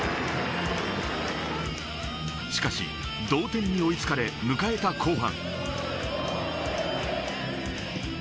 しかし、同点に追いつかれ迎えた後半。